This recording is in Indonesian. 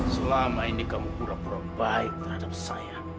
selama ini kamu pura pura baik terhadap saya